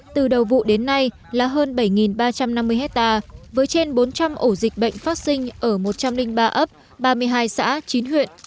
từ đầu vụ đến nay là hơn bảy ba trăm năm mươi hectare với trên bốn trăm linh ổ dịch bệnh phát sinh ở một trăm linh ba ấp ba mươi hai xã chín huyện